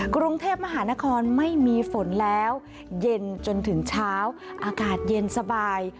กรุงเทพมหานครไม่มีฝนแล้วเย็นจนถึงเช้าอากาศเย็นสบาย